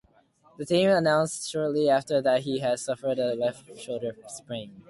The team announced shortly after that he had suffered a left shoulder sprain.